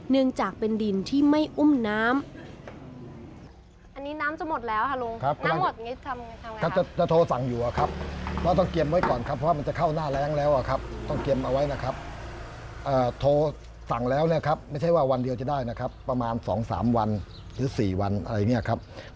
เนื่องจากเป็นดินที่ไม่อุ้มน้ำ